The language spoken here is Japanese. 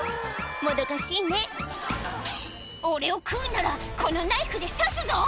もどかしいね「俺を食うんならこのナイフで刺すぞ！」